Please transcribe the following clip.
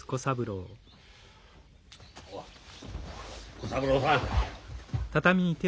小三郎さん。